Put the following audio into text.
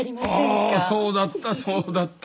おおそうだったそうだった！